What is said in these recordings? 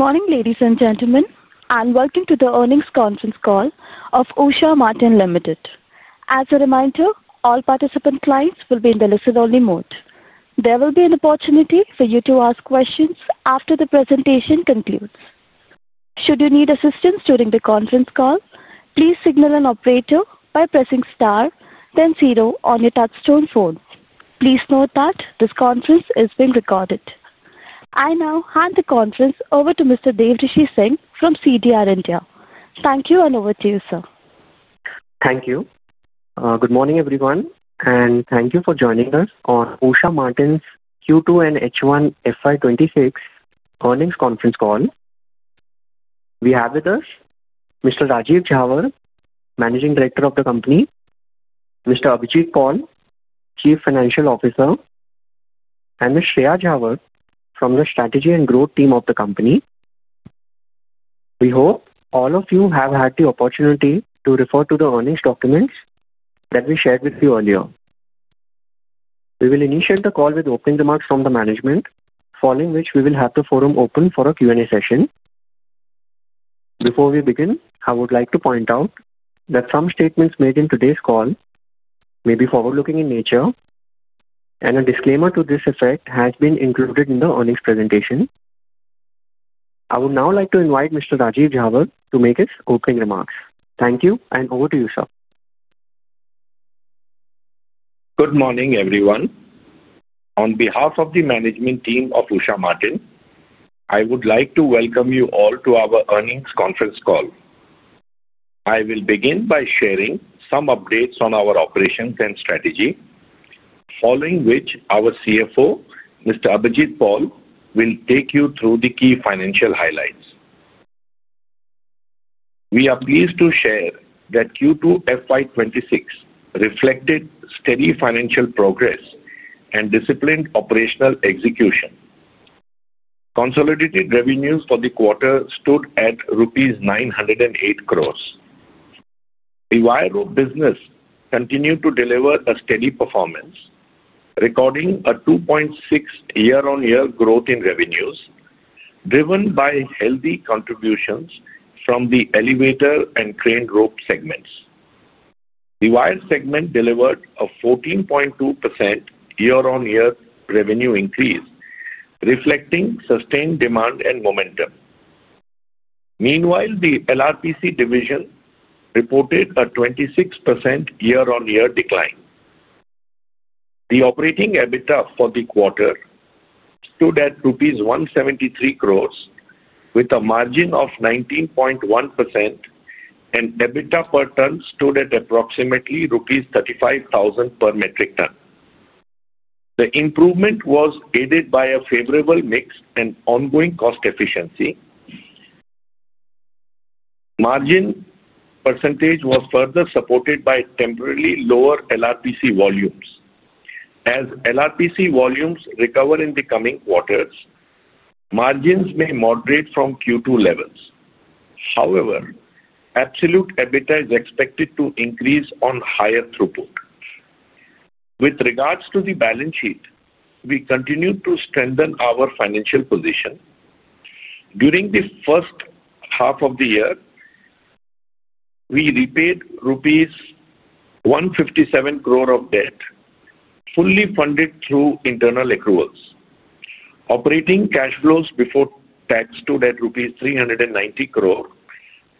Good morning, ladies and gentlemen. Welcome to the Earnings Conference Call of Usha Martin Limited. As a reminder, all participant clients will be in the listen-only mode. There will be an opportunity for you to ask questions after the presentation concludes. Should you need assistance during the conference call, please signal an operator by pressing star, then zero on your touchstone phone. Please note that this conference is being recorded. I now hand the conference over to Mr. Devrishi Singh from CDR India. Thank you, and over to you, sir. Thank you. Good morning, everyone. Thank you for joining us on Usha Martin's Q2 and H1 FY 2026 earnings conference call. We have with us Mr. Rajeev Jhawar, Managing Director of the company, Mr. Abhijit Paul, Chief Financial Officer, and Ms. Shreya Jhawar from the Strategy and Growth team of the company. We hope all of you have had the opportunity to refer to the earnings documents that we shared with you earlier. We will initiate the call with opening remarks from the management, following which we will have the forum open for a Q&A session. Before we begin, I would like to point out that some statements made in today's call may be forward-looking in nature, and a disclaimer to this effect has been included in the earnings presentation. I would now like to invite Mr. Rajeev Jhawar to make his opening remarks. Thank you, and over to you, sir. Good morning, everyone. On behalf of the management team of Usha Martin, I would like to welcome you all to our earnings conference call. I will begin by sharing some updates on our operations and strategy, following which our CFO, Mr. Abhijit Paul, will take you through the key financial highlights. We are pleased to share that Q2 FY2026 reflected steady financial progress and disciplined operational execution. Consolidated revenues for the quarter stood at rupees 908 crore. The wire business continued to deliver a steady performance, recording a 2.6% year-on-year growth in revenues, driven by healthy contributions from the elevator and crane rope segments. The wire segment delivered a 14.2% year-on-year revenue increase, reflecting sustained demand and momentum. Meanwhile, the LRPC division reported a 26% year-on-year decline. The operating EBITDA for the quarter stood at rupees 173 crore, with a margin of 19.1%, and EBITDA per ton stood at approximately rupees 35,000 per metric ton. The improvement was aided by a favorable mix and ongoing cost efficiency. Margin percentage was further supported by temporarily lower LRPC volumes. As LRPC volumes recover in the coming quarters, margins may moderate from Q2 levels. However, absolute EBITDA is expected to increase on higher throughput. With regards to the balance sheet, we continued to strengthen our financial position. During the first half of the year, we repaid rupees 157 crore of debt, fully funded through internal accruals. Operating cash flows before tax stood at rupees 390 crore,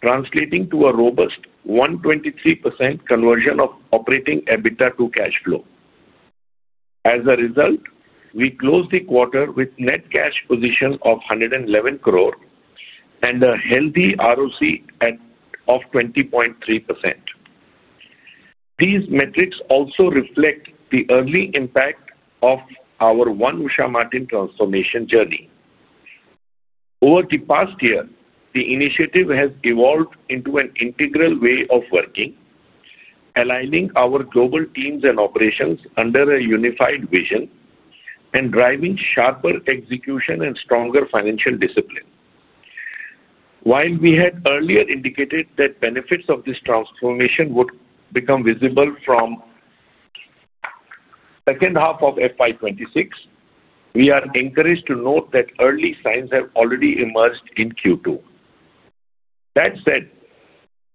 translating to a robust 123% conversion of operating EBITDA to cash flow. As a result, we closed the quarter with net cash position of 111 crore and a healthy ROC of 20.3%. These metrics also reflect the early impact of our One Usha Martin transformation journey. Over the past year, the initiative has evolved into an integral way of working, aligning our global teams and operations under a unified vision and driving sharper execution and stronger financial discipline. While we had earlier indicated that benefits of this transformation would become visible from the second half of FY 2026, we are encouraged to note that early signs have already emerged in Q2. That said,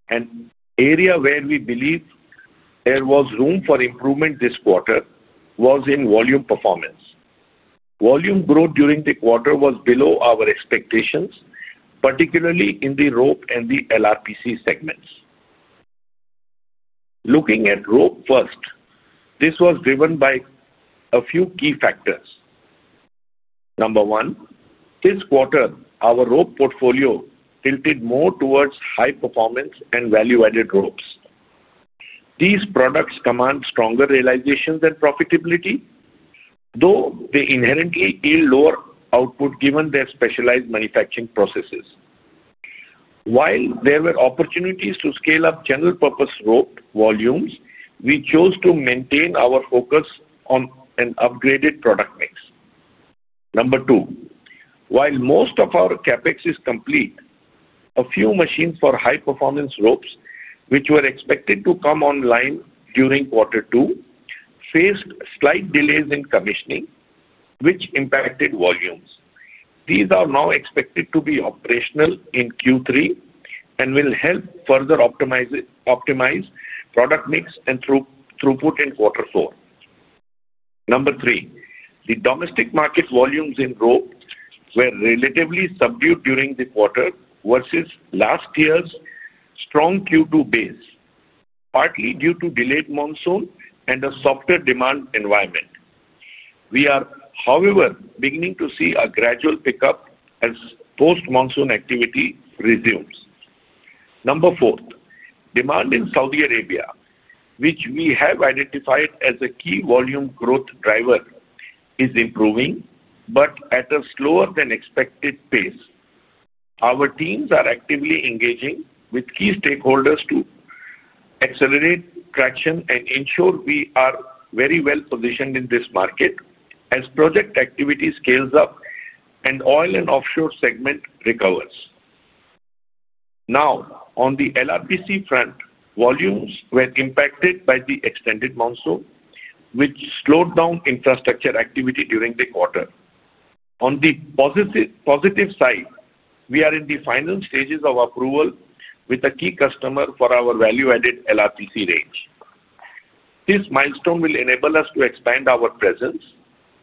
an area where we believe there was room for improvement this quarter was in volume performance. Volume growth during the quarter was below our expectations, particularly in the rope and the LRPC segments. Looking at rope first, this was driven by a few key factors. Number one, this quarter, our rope portfolio tilted more towards high-performance and value-added ropes. These products command stronger realization than profitability, though they inherently yield lower output given their specialized manufacturing processes. While there were opportunities to scale up general-purpose rope volumes, we chose to maintain our focus on an upgraded product mix. Number two, while most of our CapEx is complete, a few machines for high-performance ropes, which were expected to come online during quarter two, faced slight delays in commissioning, which impacted volumes. These are now expected to be operational in Q3 and will help further optimize product mix and throughput in quarter four. Number three, the domestic market volumes in rope were relatively subdued during the quarter versus last year's strong Q2 base, partly due to delayed monsoon and a softer demand environment. We are, however, beginning to see a gradual pickup as post-monsoon activity resumes. Number four, demand in Saudi Arabia, which we have identified as a key volume growth driver, is improving but at a slower than expected pace. Our teams are actively engaging with key stakeholders to accelerate traction and ensure we are very well positioned in this market as project activity scales up and the oil and offshore segment recovers. Now, on the LRPC front, volumes were impacted by the extended monsoon, which slowed down infrastructure activity during the quarter. On the positive side, we are in the final stages of approval with a key customer for our value-added LRPC range. This milestone will enable us to expand our presence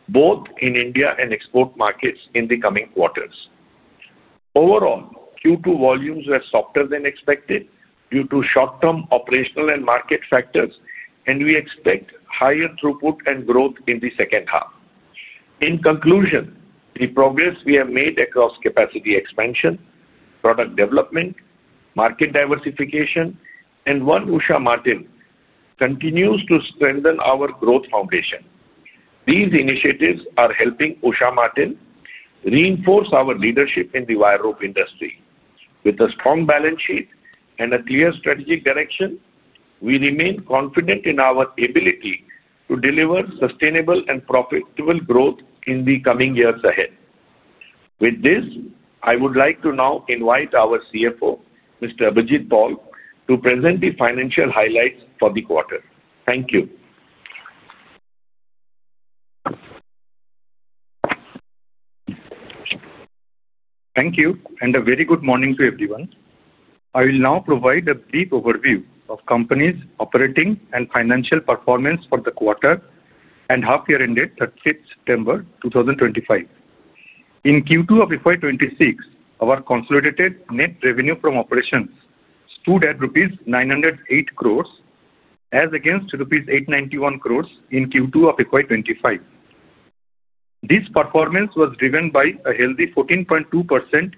both in India and export markets in the coming quarters. Overall, Q2 volumes were softer than expected due to short-term operational and market factors, and we expect higher throughput and growth in the second half. In conclusion, the progress we have made across capacity expansion, product development, market diversification, and One Usha Martin continues to strengthen our growth foundation. These initiatives are helping Usha Martin reinforce our leadership in the wire rope industry. With a strong balance sheet and a clear strategic direction, we remain confident in our ability to deliver sustainable and profitable growth in the coming years ahead. With this, I would like to now invite our CFO, Mr. Abhijit Paul, to present the financial highlights for the quarter. Thank you. Thank you, and a very good morning to everyone. I will now provide a brief overview of the company's operating and financial performance for the quarter and half year end date 5th September 2025. In Q2 of FY 2026, our consolidated net revenue from operations stood at rupees 908 crore, as against rupees 891 crore in Q2 of FY 2025. This performance was driven by a healthy 14.2%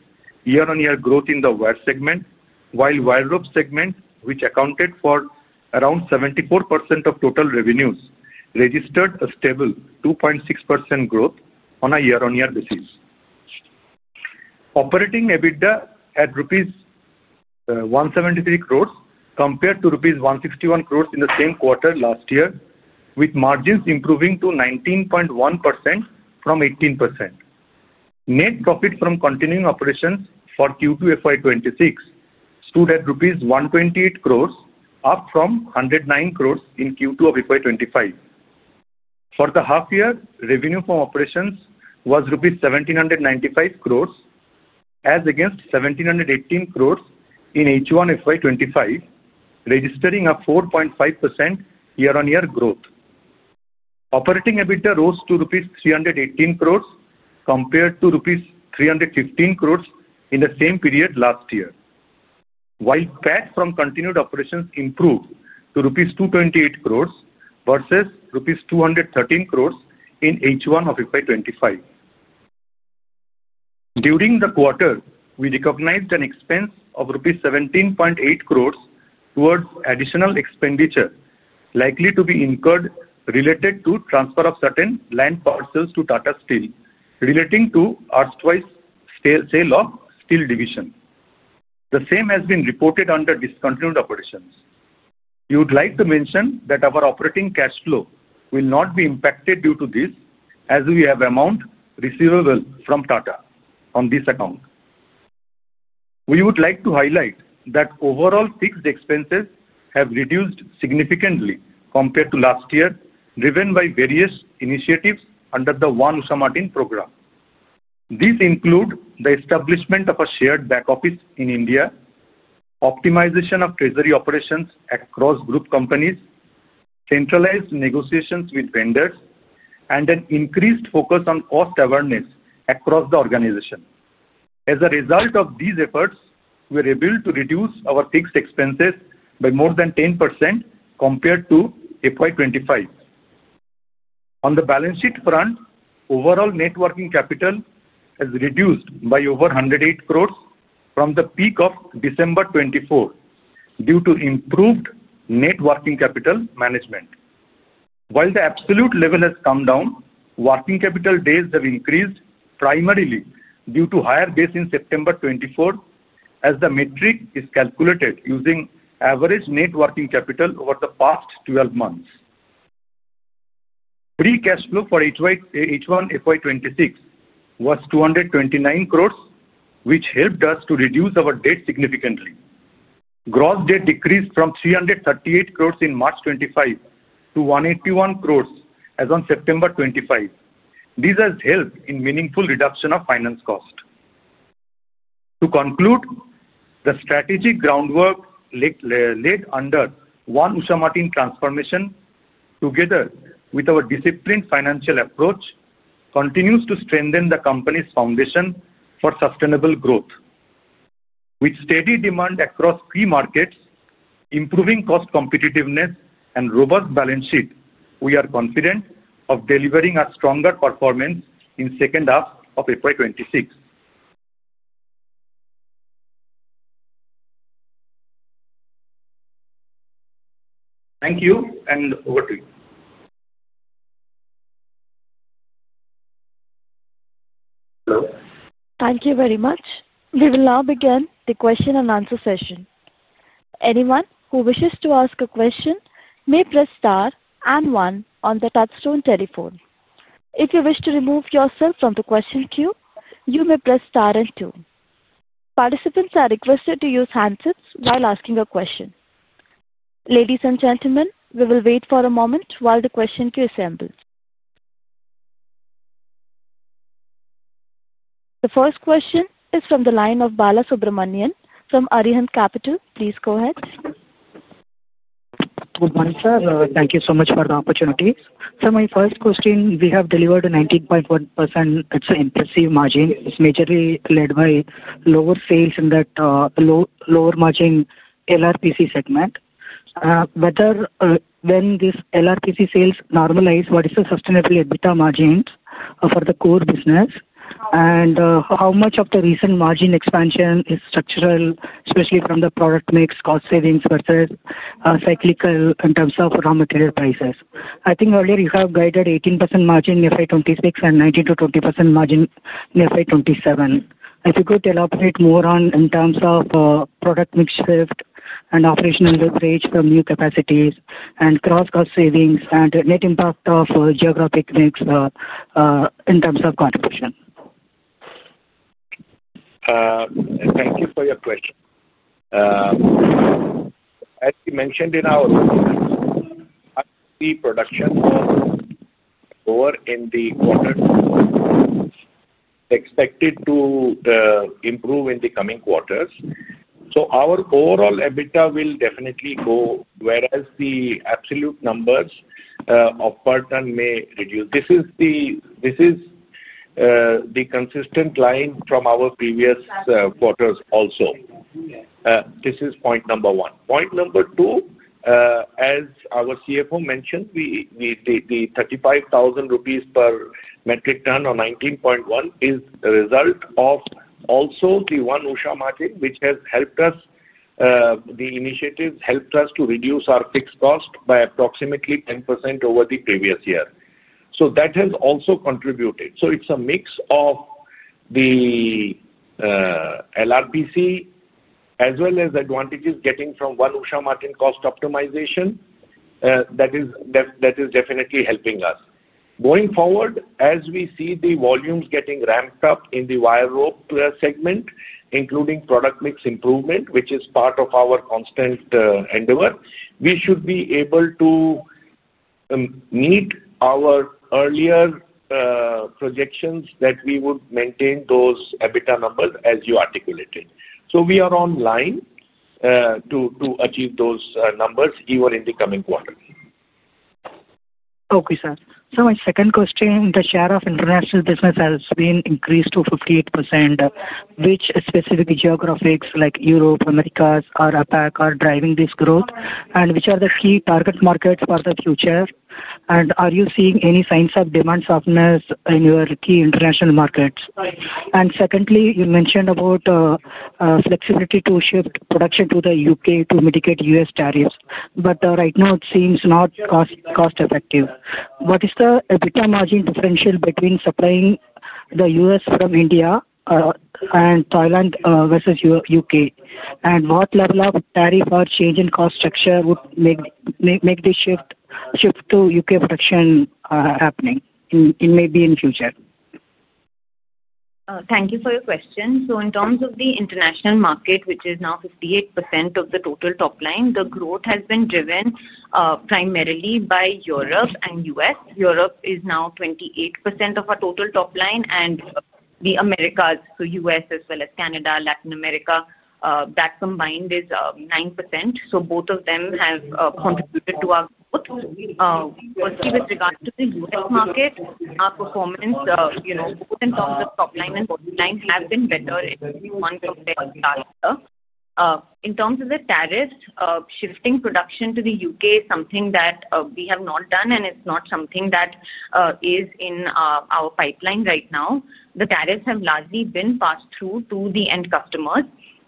year-on-year growth in the wire segment, while the wire rope segment, which accounted for around 74% of total revenues, registered a stable 2.6% growth on a year-on-year basis. Operating EBITDA at rupees 173 crore compared to rupees 151 crore in the same quarter last year, with margins improving to 19.1% from 18%. Net profit from continuing operations for Q2 FY 2026 stood at rupees 128 crore, up from 109 crore in Q2 of FY 2025. For the half year, revenue from operations was rupees 1,795 crore, as against 1,718 crore in H1 FY 2025, registering a 4.5% year-on-year growth. Operating EBITDA rose to rupees 318 crore compared to rupees 315 crore in the same period last year, while PAT from continued operations improved to rupees 228 crore versus rupees 213 crore in H1 of FY 2025. During the quarter, we recognized an expense of rupees 17.8 crore towards additional expenditure likely to be incurred related to the transfer of certain land parcels to Tata Steel, relating to the arch-wise sale of Steel Division. The same has been reported under discontinued operations. We would like to mention that our operating cash flow will not be impacted due to this, as we have amount receivable from Tata on this account. We would like to highlight that overall fixed expenses have reduced significantly compared to last year, driven by various initiatives under the One Usha Martin program. These include the establishment of a shared back office in India, optimization of treasury operations across group companies, centralized negotiations with vendors, and an increased focus on cost awareness across the organization. As a result of these efforts, we were able to reduce our fixed expenses by more than 10% compared to 2025. On the balance sheet front, overall net working capital has reduced by over 108 crore from the peak of December 2024 due to improved net working capital management. While the absolute level has come down, working capital days have increased primarily due to a higher base in September 2024, as the metric is calculated using average net working capital over the past 12 months. Pre-cash flow for H1 FY 2026 was 229 crore, which helped us to reduce our debt significantly. Gross debt decreased from 338 crore in March 2025 to 181 crore as of September 2025. This has helped in a meaningful reduction of finance cost. To conclude, the strategic groundwork laid under One Usha Martin transformation, together with our disciplined financial approach, continues to strengthen the company's foundation for sustainable growth. With steady demand across key markets, improving cost competitiveness, and a robust balance sheet, we are confident of delivering a stronger performance in the second half of FY 2026. Thank you, and over to you. Hello. Thank you very much. We will now begin the question and answer session. Anyone who wishes to ask a question may press star and one on the touchstone telephone. If you wish to remove yourself from the question queue, you may press star and two. Participants are requested to use handsets while asking a question. Ladies and gentlemen, we will wait for a moment while the question queue assembles. The first question is from the line of Balasubramanian from Arihant Capital. Please go ahead. Good morning, sir. Thank you so much for the opportunity. Sir, my first question, we have delivered a 19.1%. It's an impressive margin. It's majorly led by lower sales in that lower margin LRPC segment. When this LRPC sales normalize, what is the sustainable EBITDA margin for the core business? And how much of the recent margin expansion is structural, especially from the product mix, cost savings versus cyclical in terms of raw material prices? I think earlier you have guided 18% margin in FY 2026 and 19-20% margin in FY 2027. If you could elaborate more on in terms of product mix shift and operational leverage from new capacities and cross-cost savings and net impact of geographic mix in terms of contribution. Thank you for your question. As you mentioned in our report, the production was lower in the quarter expected to improve in the coming quarters. So our overall EBITDA will definitely go, whereas the absolute numbers of PAT may reduce. This is the consistent line from our previous quarters also. This is point number one. Point number two, as our CFO mentioned, the 35,000 rupees per metric ton or 19.1 is the result of also the One Usha Martin, which has helped us. The initiatives helped us to reduce our fixed cost by approximately 10% over the previous year. That has also contributed. It is a mix of the LRPC as well as advantages getting from One Usha Martin cost optimization that is definitely helping us. Going forward, as we see the volumes getting ramped up in the wire rope segment, including product mix improvement, which is part of our constant endeavor, we should be able to meet our earlier projections that we would maintain those EBITDA numbers as you articulated. We are on line to achieve those numbers even in the coming quarter. Okay, sir. My second question, the share of international business has been increased to 58%. Which specific geographies like Europe, Americas, or APAC are driving this growth? Which are the key target markets for the future? Are you seeing any signs of demand softness in your key international markets? You mentioned about flexibility to shift production to the U.K. to mitigate U.S. tariffs. Right now, it seems not cost-effective. What is the EBITDA margin differential between supplying the U.S. from India and Thailand versus U.K.? What level of tariff or change in cost structure would make this shift to U.K. production happen? It may be in the future. Thank you for your question. In terms of the international market, which is now 58% of the total top line, the growth has been driven primarily by Europe and U.S. Europe is now 28% of our total top line, and the Americas, so U.S. as well as Canada, Latin America, that combined is 9%. Both of them have contributed to our growth. Firstly, with regards to the U.S. market, our performance, both in terms of top line and bottom line, has been better in one compared to the other. In terms of the tariffs, shifting production to the U.K. is something that we have not done, and it is not something that is in our pipeline right now. The tariffs have largely been passed through to the end customers.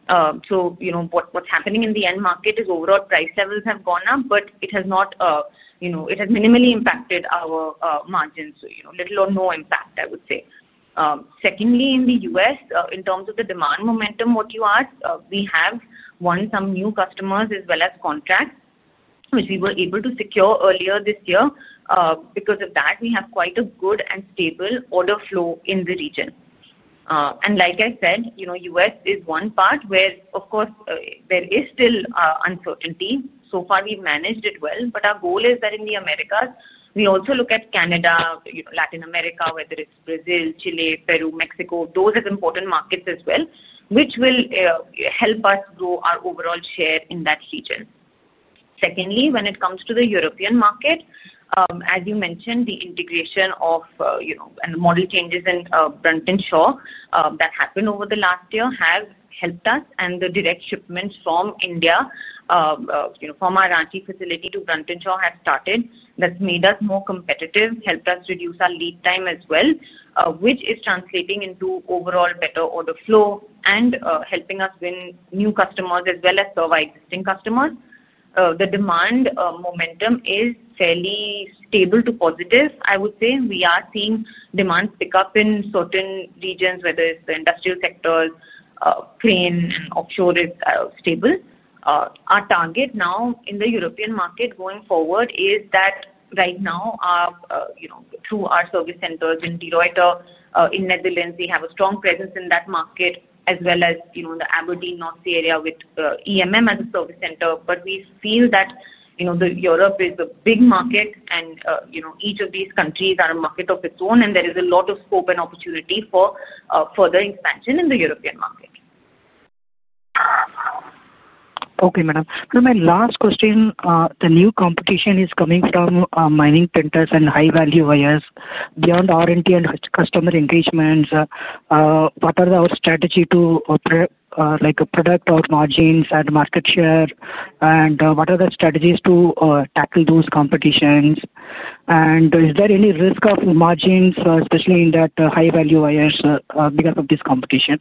What is happening in the end market is overall price levels have gone up, but it has not, it has minimally impacted our margins, so little or no impact, I would say. Secondly, in the U.S., in terms of the demand momentum, what you asked, we have won some new customers as well as contracts, which we were able to secure earlier this year. Because of that, we have quite a good and stable order flow in the region. Like I said, U.S. is one part where, of course, there is still uncertainty. So far, we've managed it well. Our goal is that in the Americas, we also look at Canada, Latin America, whether it's Brazil, Chile, Peru, Mexico, those are important markets as well, which will help us grow our overall share in that region. Secondly, when it comes to the European market, as you mentioned, the integration of and the model changes in Brunton Shaw that happened over the last year have helped us, and the direct shipments from India, from our Ranchi facility to Brunton Shaw, have started. That's made us more competitive, helped us reduce our lead time as well, which is translating into overall better order flow and helping us win new customers as well as serve our existing customers. The demand momentum is fairly stable to positive, I would say. We are seeing demand pick up in certain regions, whether it's the industrial sector, crane, and offshore is stable. Our target now in the European market going forward is that right now, through our service centers in Deloitte in Netherlands, we have a strong presence in that market as well as the Aberdeen, North Sea area with EMM as a service center. We feel that Europe is a big market, and each of these countries are a market of its own, and there is a lot of scope and opportunity for further expansion in the European market. Okay, madam. My last question, the new competition is coming from mining printers and high-value wires. Beyond R&D and customer engagements, what are our strategies to operate product or margins and market share? What are the strategies to tackle those competitions? Is there any risk of margins, especially in that high-value wires, because of this competition?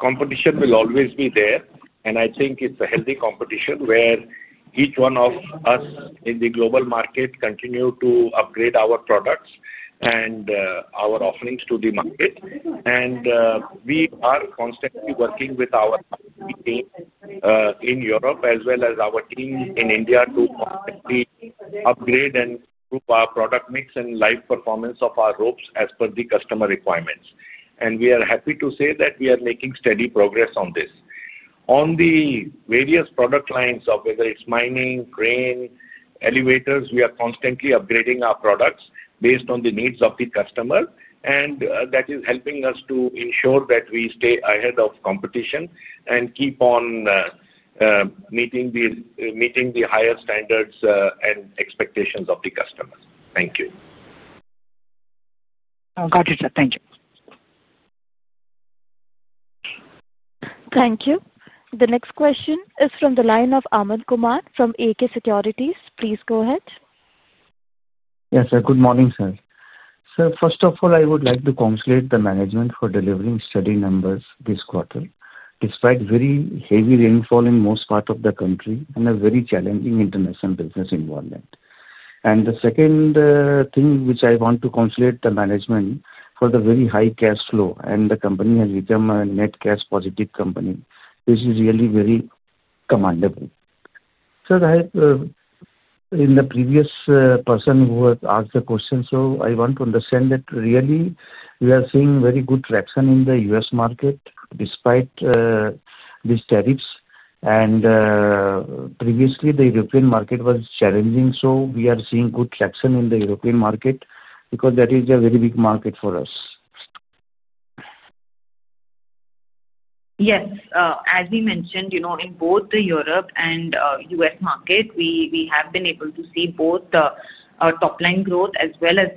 Competition will always be there, and I think it's a healthy competition where each one of us in the global market continues to upgrade our products and our offerings to the market. We are constantly working with our team in Europe as well as our team in India to constantly upgrade and improve our product mix and live performance of our ropes as per the customer requirements. We are happy to say that we are making steady progress on this. On the various product lines of whether it's mining, crane, elevators, we are constantly upgrading our products based on the needs of the customer, and that is helping us to ensure that we stay ahead of competition and keep on meeting the higher standards and expectations of the customers. Thank you. Got it, sir. Thank you. Thank you. The next question is from the line of Aman Kumar from AK Securities. Please go ahead. Yes, sir. Good morning, sir. Sir, first of all, I would like to congratulate the management for delivering steady numbers this quarter, despite very heavy rainfall in most parts of the country and a very challenging international business environment. The second thing which I want to congratulate the management for is the very high cash flow, and the company has become a net cash positive company, which is really very commendable. Sir, in the previous person who has asked the question, I want to understand that really we are seeing very good traction in the U.S. market despite these tariffs. Previously, the European market was challenging, so are we seeing good traction in the European market because that is a very big market for us? Yes. As we mentioned, in both the Europe and U.S. market, we have been able to see both top line growth as well as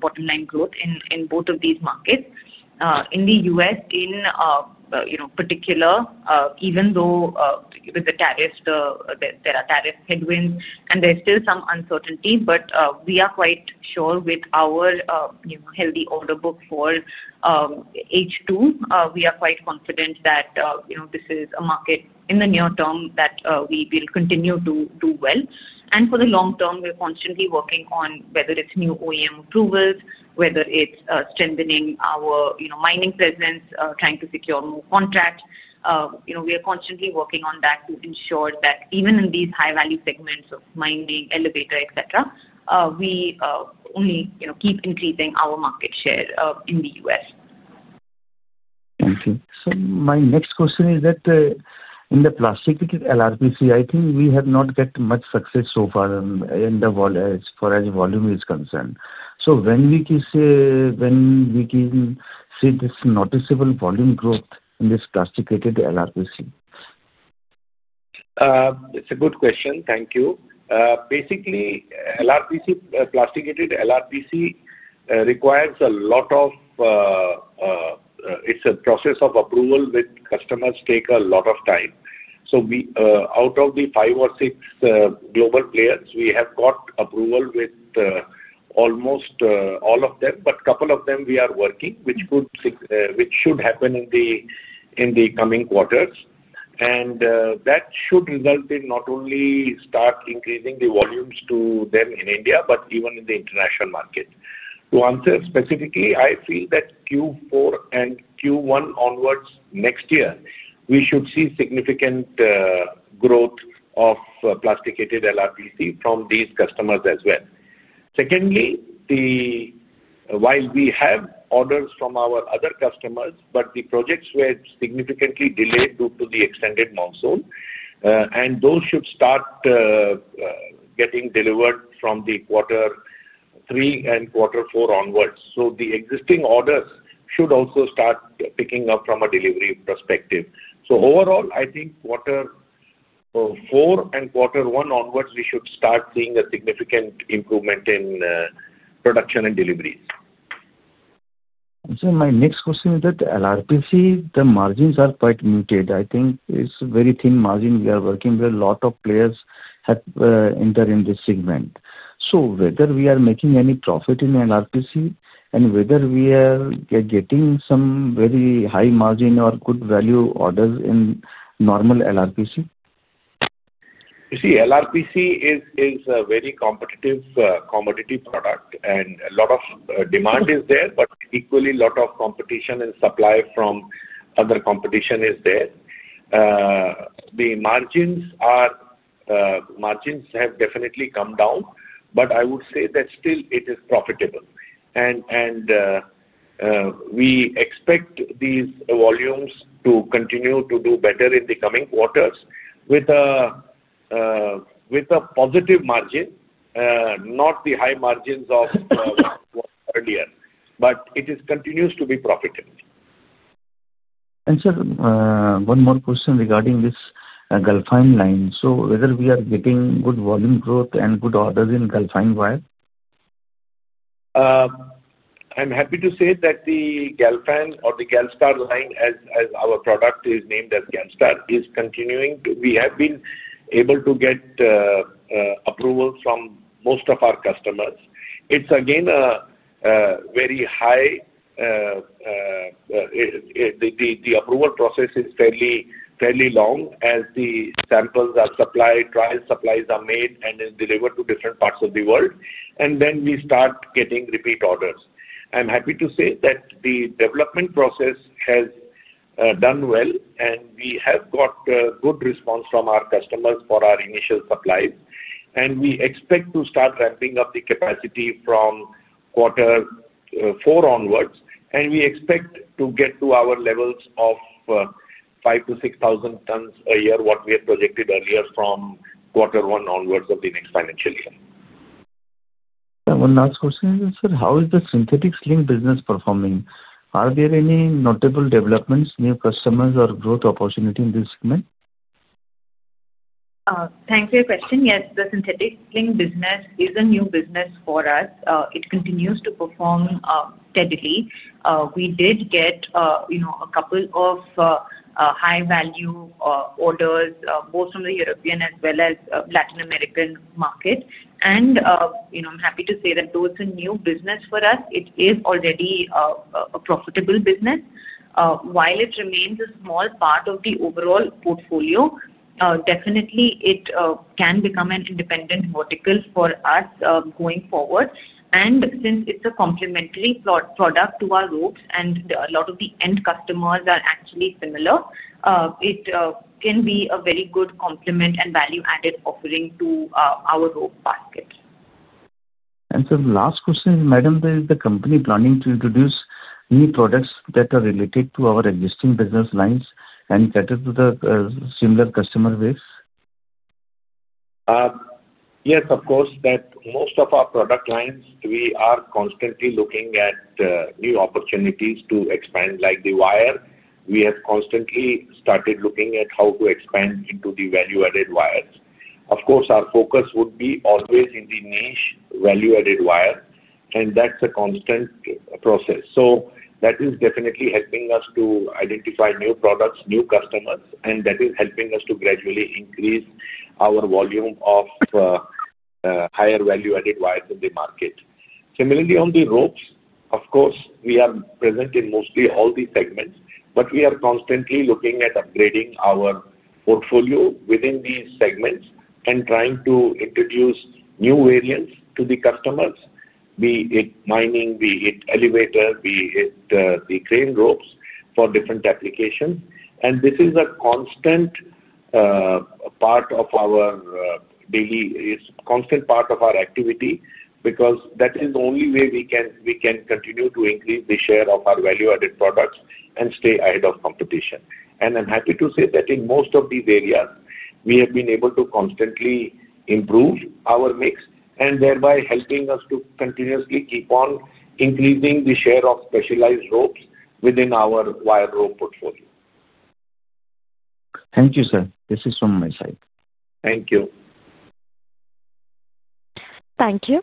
bottom line growth in both of these markets. In the U.S., in particular, even though with the tariffs, there are tariff headwinds, and there is still some uncertainty, we are quite sure with our healthy order book for H2, we are quite confident that this is a market in the near term that we will continue to do well. For the long term, we are constantly working on whether it is new OEM approvals, whether it is strengthening our mining presence, trying to secure more contracts. We are constantly working on that to ensure that even in these high-value segments of mining, elevator, etc., we only keep increasing our market share in the U.S. Thank you. My next question is that in the plasticated LRPC, I think we have not got much success so far in the volume as far as volume is concerned. When can we see this noticeable volume growth in this plasticated LRPC? It's a good question. Thank you. Basically, plasticated LRPC requires a lot of, it's a process of approval with customers, takes a lot of time. Out of the five or six global players, we have got approval with almost all of them, but a couple of them we are working, which should happen in the coming quarters. That should result in not only start increasing the volumes to them in India, but even in the international market. To answer specifically, I feel that Q4 and Q1 onwards next year, we should see significant growth of plasticated LRPC from these customers as well. Secondly, while we have orders from our other customers, but the projects were significantly delayed due to the extended monsoon, and those should start getting delivered from quarter three and quarter four onwards. The existing orders should also start picking up from a delivery perspective. Overall, I think quarter four and quarter one onwards, we should start seeing a significant improvement in production and deliveries. My next question is that LRPC, the margins are quite muted. I think it's a very thin margin we are working with. A lot of players have entered in this segment. Whether we are making any profit in LRPC and whether we are getting some very high margin or good value orders in normal LRPC? You see, LRPC is a very competitive product, and a lot of demand is there, but equally, a lot of competition and supply from other competition is there. The margins have definitely come down, but I would say that still it is profitable. We expect these volumes to continue to do better in the coming quarters with a positive margin, not the high margins of earlier, but it continues to be profitable. Sir, one more question regarding this Galfan line. Whether we are getting good volume growth and good orders in Galfan wire? I'm happy to say that the GALSTAR line, as our product is named as GALSTAR, is continuing to. We have been able to get approval from most of our customers. It's again a very high. The approval process is fairly long as the samples are supplied, trial supplies are made, and then delivered to different parts of the world, and then we start getting repeat orders. I'm happy to say that the development process has done well, and we have got good response from our customers for our initial supplies. We expect to start ramping up the capacity from quarter four onwards, and we expect to get to our levels of 5,000-6,000 tons a year, what we had projected earlier from quarter one onwards of the next financial year. One last question is, sir, how is the Synthetic Sling business performing? Are there any notable developments, new customers, or growth opportunities in this segment? Thanks for your question. Yes, the Synthetic Sling business is a new business for us. It continues to perform steadily. We did get a couple of high-value orders, both from the European as well as Latin American market. I'm happy to say that though it's a new business for us, it is already a profitable business. While it remains a small part of the overall portfolio, definitely it can become an independent vertical for us going forward. Since it's a complementary product to our ropes and a lot of the end customers are actually similar, it can be a very good complement and value-added offering to our rope basket. Sir, the last question is, madam, is the company planning to introduce new products that are related to our existing business lines and cater to the similar customer base? Yes, of course, that most of our product lines, we are constantly looking at new opportunities to expand. Like the Wire, we have constantly started looking at how to expand into the value-added wires. Of course, our focus would be always in the niche value-added wire, and that's a constant process. That is definitely helping us to identify new products, new customers, and that is helping us to gradually increase our volume of higher value-added wires in the market. Similarly, on the ropes, of course, we are present in mostly all these segments, but we are constantly looking at upgrading our portfolio within these segments and trying to introduce new variants to the customers, be it mining, be it elevator, be it the crane ropes for different applications. This is a constant part of our daily constant part of our activity because that is the only way we can continue to increase the share of our value-added products and stay ahead of competition. I'm happy to say that in most of these areas, we have been able to constantly improve our mix and thereby helping us to continuously keep on increasing the share of specialized ropes within our wire rope portfolio. Thank you, sir. This is from my side. Thank you. Thank you.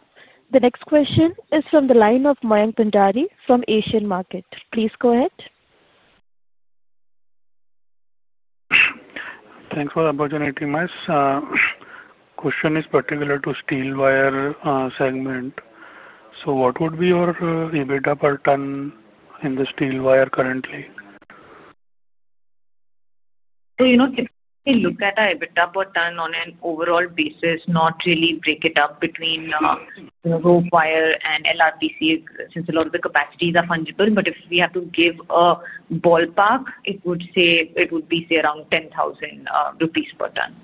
The next question is from the line of Mayank Bhandari from Asian Markets. Please go ahead. Thanks for the opportunity, man. Question is particular to Steel Wire segment. What would be your EBITDA per ton in the Steel Wire currently? If we look at our EBITDA per ton on an overall basis, not really break it up between rope wire and LRPC since a lot of the capacities are fungible, but if we have to give a ballpark, it would be around 10,000 rupees per ton.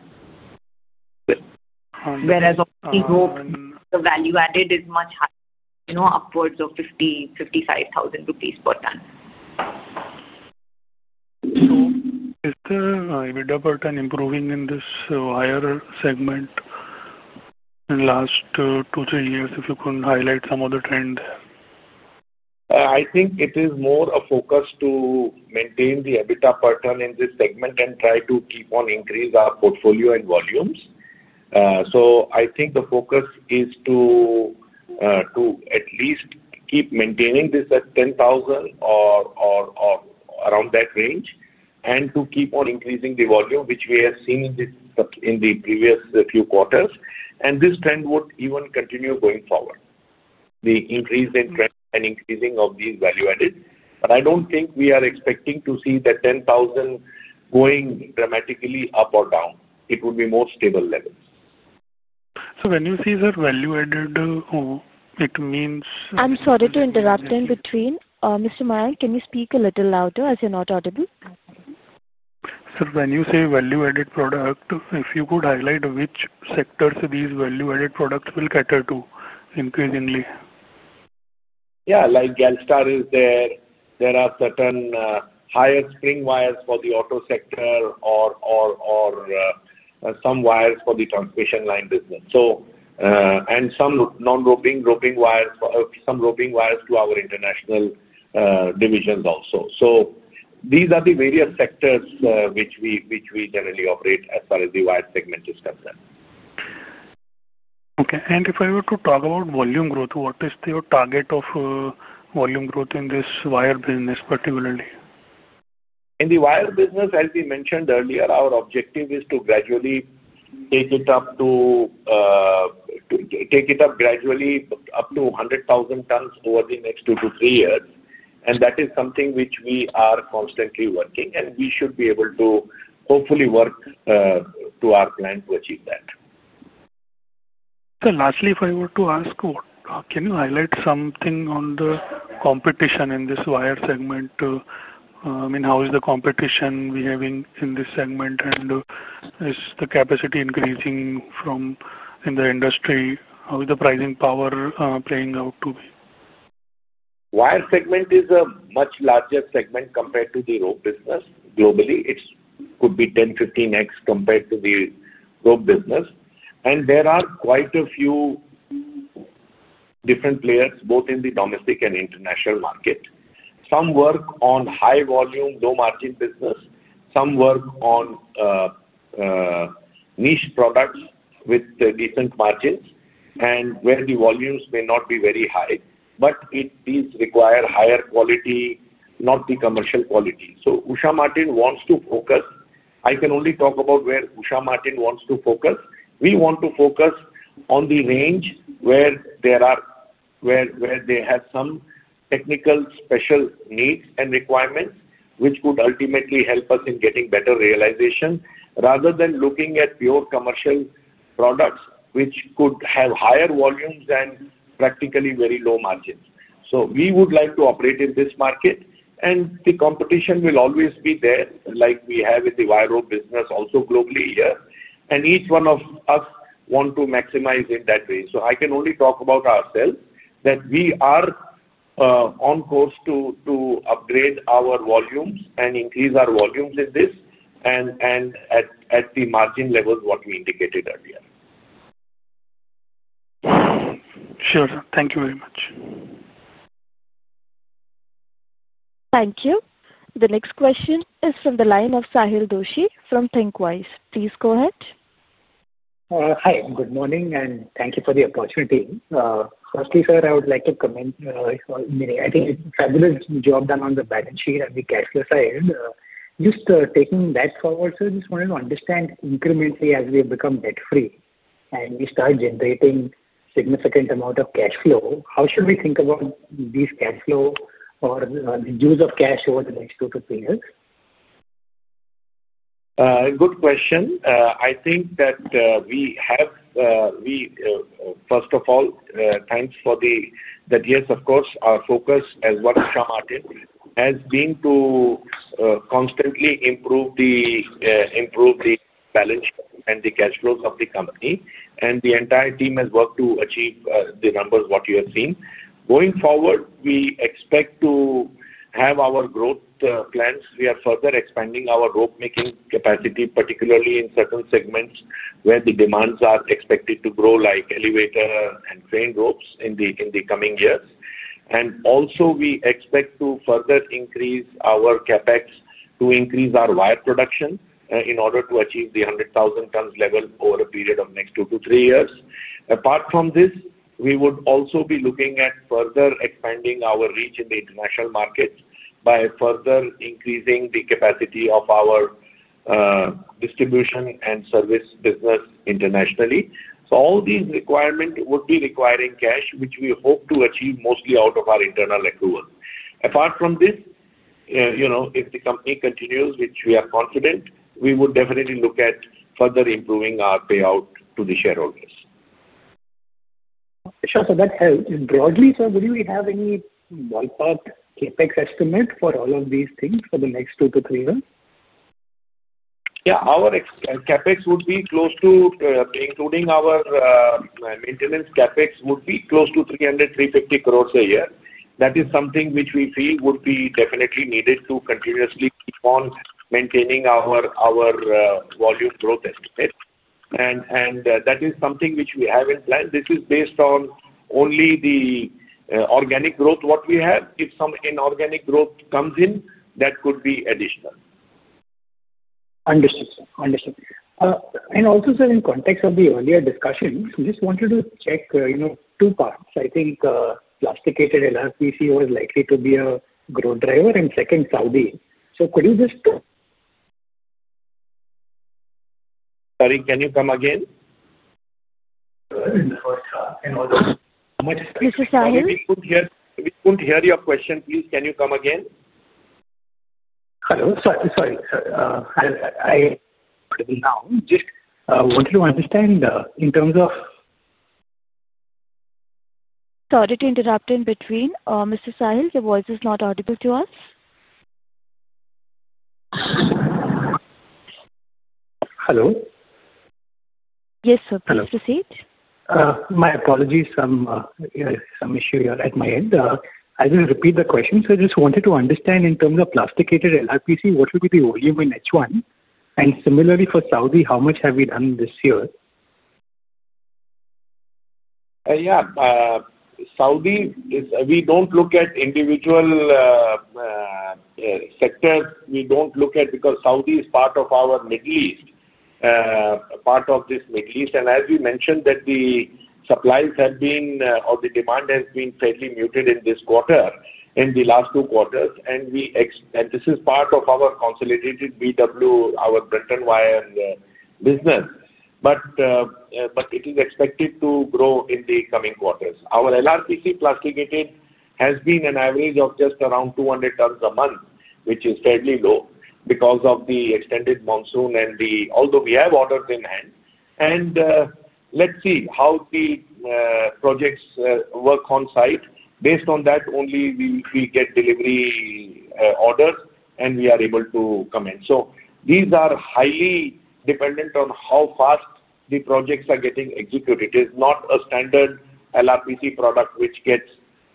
Whereas the value-added is much higher, upwards of 50,000-55,000 rupees per ton. Is the EBITDA per ton improving in this wire segment in the last two, three years, if you could highlight some of the trend? I think it is more a focus to maintain the EBITDA per ton in this segment and try to keep on increasing our portfolio and volumes. I think the focus is to at least keep maintaining this at 10,000 or around that range and to keep on increasing the volume, which we have seen in the previous few quarters. This trend would even continue going forward, the increase in trend and increasing of these value-added. I do not think we are expecting to see that 10,000 going dramatically up or down. It would be more stable levels. When you say, sir, value-added, it means— I'm sorry to interrupt in between. Mr. Mayank, can you speak a little louder as you are not audible? Sir, when you say value-added product, if you could highlight which sectors these value-added products will cater to increasingly? Yeah. Like GALSTAR is there. There are certain higher spring wires for the auto sector or some wires for the transmission line business and some non-roping wires to our international divisions also. These are the various sectors which we generally operate as far as the wire segment is concerned. Okay. If I were to talk about volume growth, what is your target of volume growth in this wire business particularly? In the wire business, as we mentioned earlier, our objective is to gradually take it up to 100,000 tons over the next two to three years. That is something which we are constantly working, and we should be able to hopefully work to our plan to achieve that. Lastly, if I were to ask, can you highlight something on the competition in this wire segment? I mean, how is the competition we're having in this segment, and is the capacity increasing in the industry? How is the pricing power playing out to be? Wire segment is a much larger segment compared to the rope business globally. It could be 10-15x compared to the rope business. And there are quite a few different players both in the domestic and international market. Some work on high volume, low margin business. Some work on niche products with decent margins and where the volumes may not be very high, but it requires higher quality, not the commercial quality. So Usha Martin wants to focus. I can only talk about where Usha Martin wants to focus. We want to focus on the range where they have some technical special needs and requirements, which could ultimately help us in getting better realization rather than looking at pure commercial products which could have higher volumes and practically very low margins. We would like to operate in this market, and the competition will always be there like we have in the wire rope business also globally here. Each one of us wants to maximize in that way. I can only talk about ourselves that we are on course to upgrade our volumes and increase our volumes in this and at the margin levels what we indicated earlier. Sure. Thank you very much. Thank you. The next question is from the line of Sahil Doshi from Thinqwise. Please go ahead. Hi. Good morning, and thank you for the opportunity. Firstly, sir, I would like to comment. I think it's a fabulous job done on the balance sheet and the cash flow side. Just taking that forward, sir, just wanted to understand incrementally as we have become debt-free and we start generating a significant amount of cash flow, how should we think about this cash flow or the use of cash over the next two to three years? Good question. I think that we have, first of all, thanks for the yes, of course, our focus as well as Usha Martin has been to constantly improve the balance sheet and the cash flows of the company. The entire team has worked to achieve the numbers what you have seen. Going forward, we expect to have our growth plans. We are further expanding our rope-making capacity, particularly in certain segments where the demands are expected to grow like elevator and crane ropes in the coming years. Also, we expect to further increase our CapEx to increase our wire production in order to achieve the 100,000 tons level over a period of the next two to three years. Apart from this, we would also be looking at further expanding our reach in the international markets by further increasing the capacity of our distribution and service business internationally. All these requirements would be requiring cash, which we hope to achieve mostly out of our internal accrual. Apart from this, if the company continues, which we are confident, we would definitely look at further improving our payout to the shareholders. Sure. That helps. Broadly, sir, would you have any ballpark CapEx estimate for all of these things for the next two to three years? Yeah. Our CapEx would be close to, including our maintenance CapEx, would be close to 300,000-350,000 crore a year. That is something which we feel would be definitely needed to continuously keep on maintaining our volume growth estimate. That is something which we have in plan. This is based on only the organic growth what we have. If some inorganic growth comes in, that could be additional. Understood, sir. Understood. Also, sir, in context of the earlier discussion, I just wanted to check two parts. I think plasticated LRPC was likely to be a growth driver and second, Saudi. Could you just Sorry, can you come again? In the first half, and also how much? This is Sahil. We could not hear your question. Please, can you come again? Hello. Sorry, sorry. I heard you now. Just wanted to understand in terms of Sorry to interrupt in between. Mr. Sahil, your voice is not audible to us. Hello? Yes, sir. Please proceed. My apologies. Some issue here at my end. I will repeat the question. I just wanted to understand in terms of plasticated LRPC, what would be the volume in H1? Similarly for Saudi, how much have we done this year? Yeah. Saudi, we do not look at individual sectors. We do not look at because Saudi is part of our Middle East, part of this Middle East. As you mentioned, the supplies have been or the demand has been fairly muted in this quarter, in the last two quarters. This is part of our consolidated BW, our Brunton wire business. It is expected to grow in the coming quarters. Our LRPC plasticated has been an average of just around 200,000 a month, which is fairly low because of the extended monsoon and although we have orders in hand. Let's see how the projects work on site. Based on that, only we get delivery orders, and we are able to come in. These are highly dependent on how fast the projects are getting executed. It is not a standard LRPC product which gets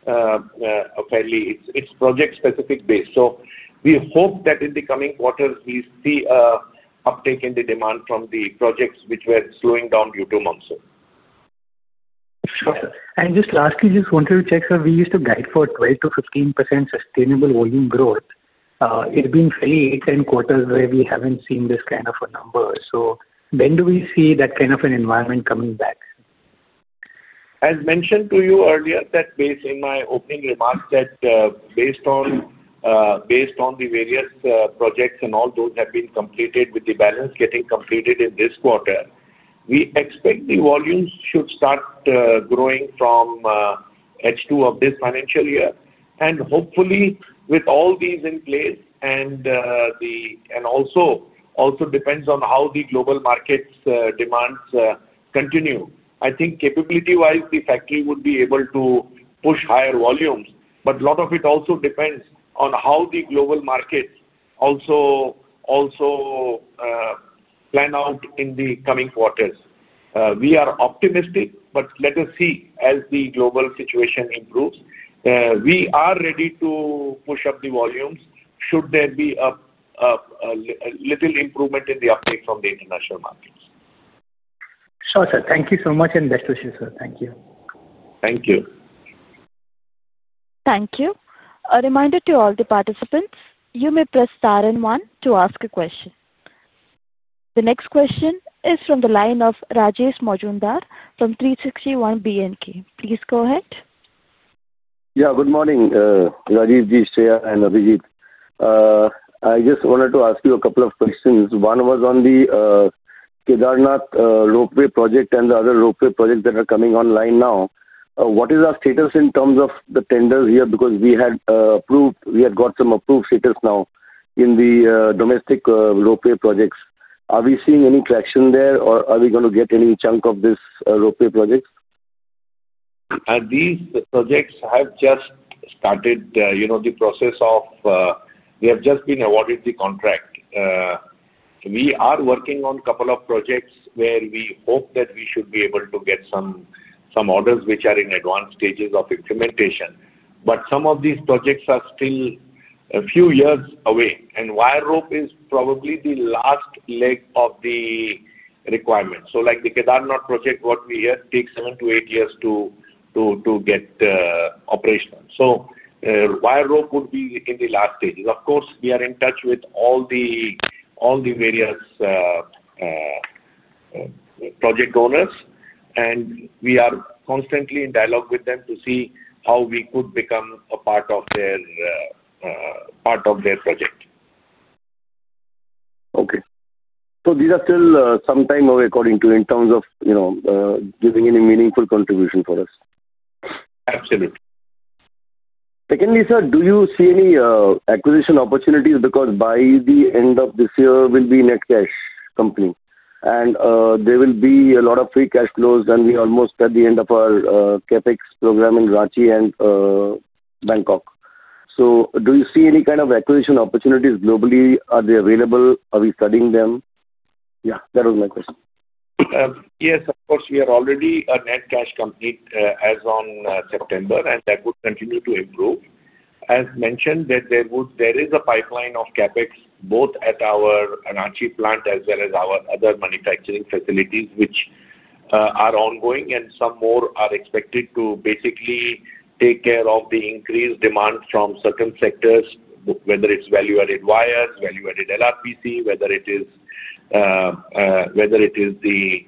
fairly its project-specific base. We hope that in the coming quarters, we see an uptake in the demand from the projects which were slowing down due to monsoon. Just lastly, just wanted to check, sir, we used to guide for 12-15% sustainable volume growth. It's been fairly eight, ten quarters where we haven't seen this kind of a number. When do we see that kind of an environment coming back? As mentioned to you earlier, in my opening remarks, that based on the various projects and all those have been completed with the balance getting completed in this quarter, we expect the volumes should start growing from H2 of this financial year. Hopefully, with all these in place and also depends on how the global markets' demands continue. I think capability-wise, the factory would be able to push higher volumes. A lot of it also depends on how the global markets also plan out in the coming quarters. We are optimistic, but let us see as the global situation improves. We are ready to push up the volumes should there be a little improvement in the uptake from the international markets. Sure, sir. Thank you so much and best wishes, sir. Thank you. Thank you. Thank you. A reminder to all the participants, you may press star and one to ask a question. The next question is from the line of Rajesh Majumdar from 3iB&K. Please go ahead. Yeah. Good morning, Rajeev, Shreya, and Abhijit. I just wanted to ask you a couple of questions. One was on the Kedarnath ropeway project and the other ropeway projects that are coming online now. What is our status in terms of the tenders here? Because we had got some approved statuses now in the domestic ropeway projects. Are we seeing any traction there, or are we going to get any chunk of this ropeway projects? These projects have just started the process of we have just been awarded the contract. We are working on a couple of projects where we hope that we should be able to get some orders which are in advanced stages of implementation. Some of these projects are still a few years away. Wire rope is probably the last leg of the requirement. Like the Kedarnath project, what we hear takes seven to eight years to get operational. Wire rope would be in the last stages. Of course, we are in touch with all the various project owners, and we are constantly in dialogue with them to see how we could become a part of their project. These are still some time away in terms of giving any meaningful contribution for us. Absolutely. Secondly, sir, do you see any acquisition opportunities? Because by the end of this year, we will be a net cash company. There will be a lot of free cash flows, and we are almost at the end of our CapEx program in Ranchi and Bangkok. Do you see any kind of acquisition opportunities globally? Are they available? Are we studying them? Yeah. That was my question. Yes, of course. We are already a net cash company as of September, and that would continue to improve. As mentioned, there is a pipeline of CapEx both at our Ranchi plant as well as our other manufacturing facilities, which are ongoing, and some more are expected to basically take care of the increased demand from certain sectors, whether it's value-added wires, value-added LRPC, whether it is the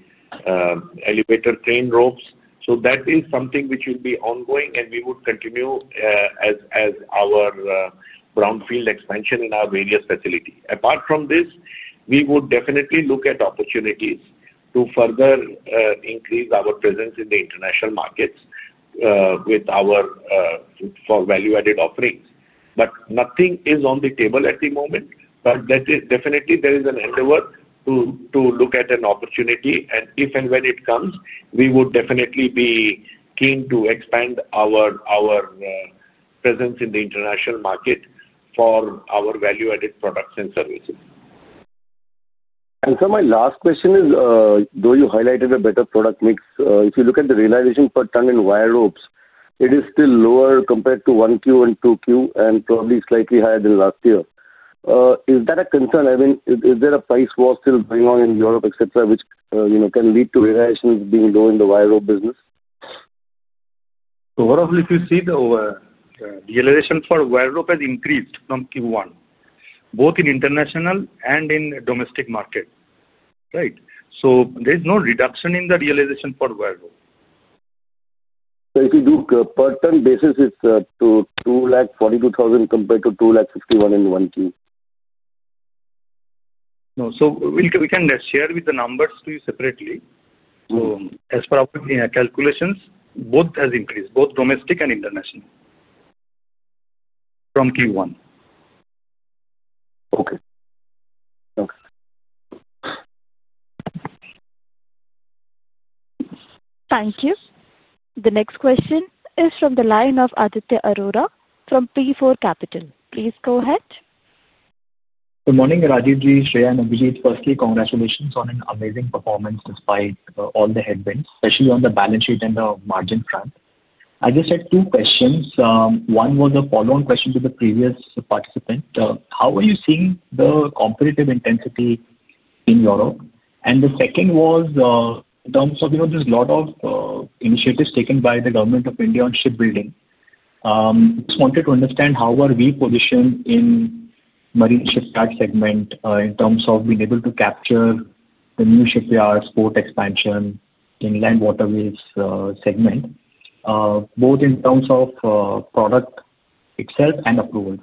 elevator crane ropes. That is something which will be ongoing, and we would continue as our brownfield expansion in our various facilities. Apart from this, we would definitely look at opportunities to further increase our presence in the international markets for value-added offerings. Nothing is on the table at the moment. There is definitely an endeavor to look at an opportunity. If and when it comes, we would definitely be keen to expand our presence in the international market for our value-added products and services. Sir, my last question is, though you highlighted a better product mix, if you look at the realization per ton in wire ropes, it is still lower compared to 1Q and 2Q and probably slightly higher than last year. Is that a concern? I mean, is there a price war still going on in Europe, etc., which can lead to variations being low in the wire rope business? Overall, if you see the realization for wire rope has increased from Q1, both in international and in domestic market. Right? There is no reduction in the realization for wire rope. If you do per ton basis, it's 242,000 compared to 251,000 in 1Q. No. We can share the numbers with you separately. As per our calculations, both have increased, both domestic and international from Q1. Okay. Okay. Thank you. The next question is from the line of Aditya Arora from P4 Capital. Please go ahead. Good morning, Rajeev, Shreya, and Abhijit. Firstly, congratulations on an amazing performance despite all the headwinds, especially on the balance sheet and the margin front. I just had two questions. One was a follow-on question to the previous participant. How are you seeing the competitive intensity in Europe? The second was in terms of there's a lot of initiatives taken by the Government of India on shipbuilding. Just wanted to understand how are we positioned in marine shipyard segment in terms of being able to capture the new shipyards, port expansion, inland waterways segment, both in terms of product itself and approvals?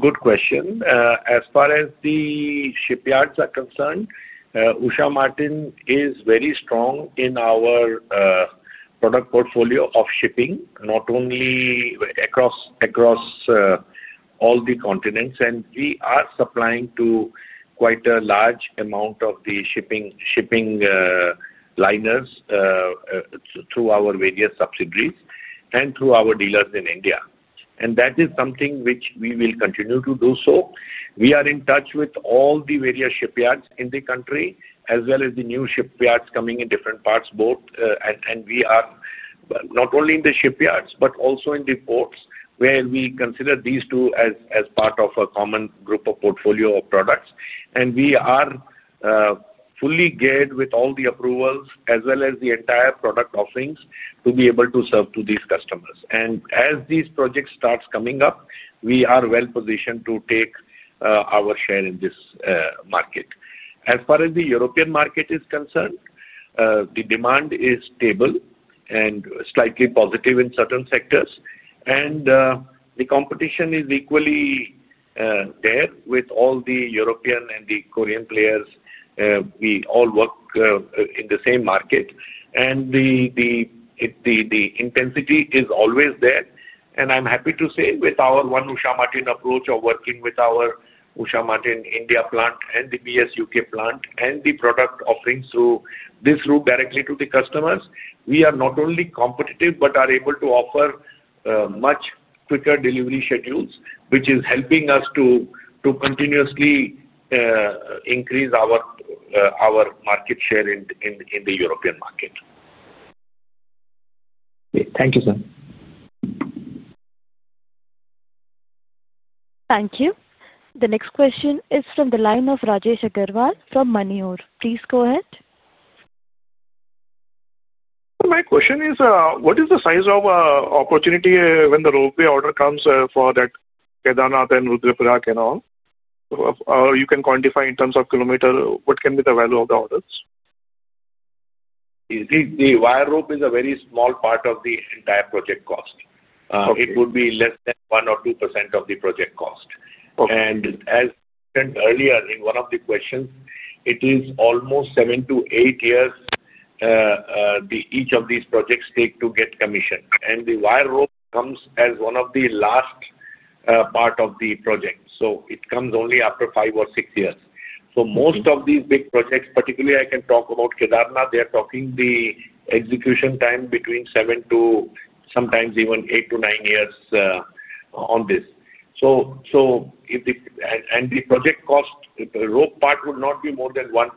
Good question. As far as the shipyards are concerned, Usha Martin is very strong in our product portfolio of shipping, not only across all the continents. We are supplying to quite a large amount of the shipping liners through our various subsidiaries and through our dealers in India. That is something which we will continue to do so. We are in touch with all the various shipyards in the country as well as the new shipyards coming in different parts, both. We are not only in the shipyards but also in the ports where we consider these two as part of a common group of portfolio of products. We are fully geared with all the approvals as well as the entire product offerings to be able to serve to these customers. As these projects start coming up, we are well positioned to take our share in this market. As far as the European market is concerned, the demand is stable and slightly positive in certain sectors. The competition is equally there with all the European and the Korean players. We all work in the same market. The intensity is always there. I'm happy to say with our One Usha Martin approach of working with our Usha Martin India plant and the BS U.K. plant and the product offerings through this route directly to the customers, we are not only competitive but are able to offer much quicker delivery schedules, which is helping us to continuously increase our market share in the European market. Thank you, sir. Thank you. The next question is from the line of Rajesh Agarwal from Moneyore. Please go ahead. My question is, what is the size of opportunity when the ropeway order comes for that Kedarnath and Rudrapur and all? Or you can quantify in terms of kilometer, what can be the value of the orders? The wire rope is a very small part of the entire project cost. It would be less than 1% or 2% of the project cost. As mentioned earlier in one of the questions, it is almost seven to eight years each of these projects take to get commission. The wire rope comes as one of the last part of the project. It comes only after five or six years. Most of these big projects, particularly I can talk about Kedarnath, they are talking the execution time between seven to sometimes even eight to nine years on this. The project cost, the rope part would not be more than 1%-1.5%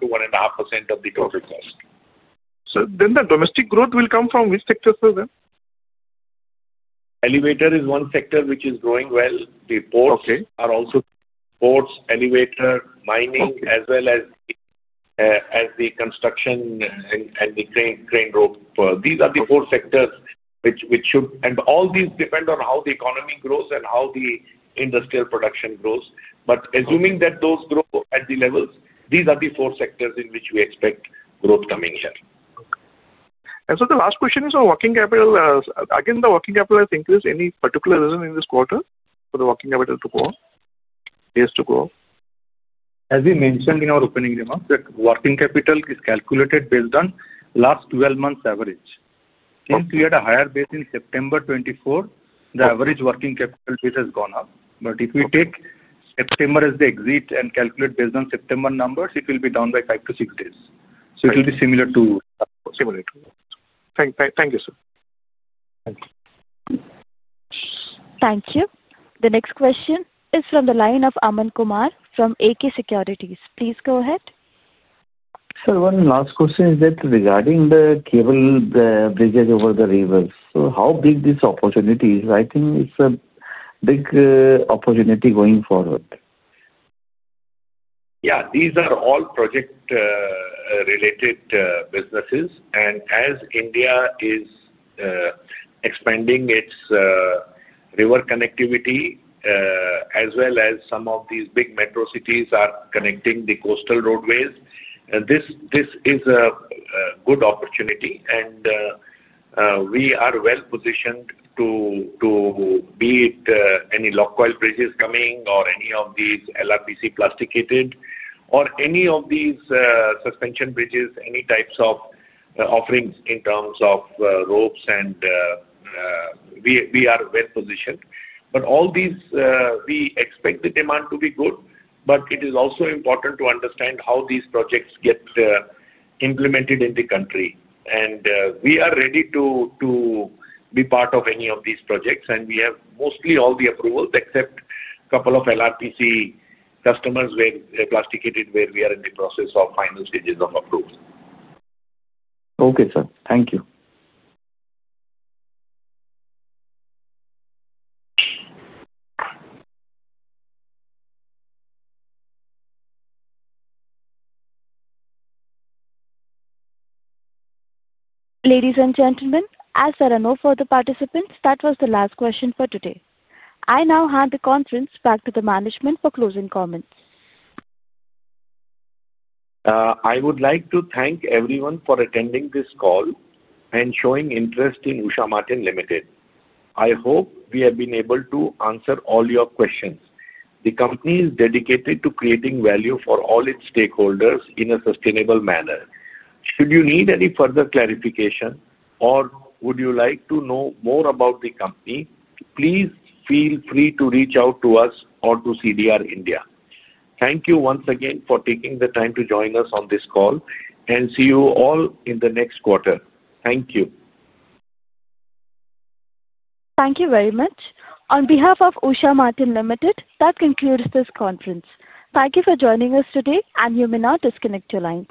of the total cost. Then the domestic growth will come from which sector, sir then? Elevator is one sector which is growing well. The ports are also ports, elevator, mining, as well as the construction and the crane rope. These are the four sectors which should, and all these depend on how the economy grows and how the industrial production grows. Assuming that those grow at the levels, these are the four sectors in which we expect growth coming here. Sir, the last question is on working capital. Again, the working capital has increased. Any particular reason in this quarter for the working capital to go up, years to go up? As we mentioned in our opening remarks, that working capital is calculated based on last 12 months' average. Since we had a higher base in September 2024, the average working capital base has gone up. If we take September as the exit and calculate based on September numbers, it will be down by five to six days. It will be similar. Thank you, sir. Thank you. Thank you. The next question is from the line of Aman Kumar from AK Securities. Please go ahead. Sir, one last question is that regarding the cable bridges over the rivers. How big is this opportunity? I think it is a big opportunity going forward. Yeah. These are all project-related businesses. As India is expanding its river connectivity as well as some of these big metro cities are connecting the coastal roadways, this is a good opportunity. We are well positioned to meet any log coil bridges coming or any of these LRPC plasticated or any of these suspension bridges, any types of offerings in terms of ropes. We are well positioned. All these, we expect the demand to be good. It is also important to understand how these projects get implemented in the country. We are ready to be part of any of these projects. We have mostly all the approvals except a couple of LRPC customers where plasticated, where we are in the process of final stages of approval. Okay, sir. Thank you. Ladies and gentlemen, as there are no further participants, that was the last question for today. I now hand the conference back to the management for closing comments. I would like to thank everyone for attending this call and showing interest in Usha Martin Limited. I hope we have been able to answer all your questions. The company is dedicated to creating value for all its stakeholders in a sustainable manner. Should you need any further clarification or would you like to know more about the company, please feel free to reach out to us or to CDR India. Thank you once again for taking the time to join us on this call. See you all in the next quarter. Thank you. Thank you very much. On behalf of Usha Martin Limited, that concludes this conference. Thank you for joining us today, and you may now disconnect your line.